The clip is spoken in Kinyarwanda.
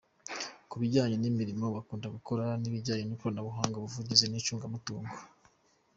Ku bijyanye n’imirimo bakunda gukora, ni ijyanye n’ikoranabuhanga, ubuvuzi n’icungamutungo.